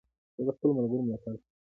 زه د خپلو ملګرو ملاتړ کوم.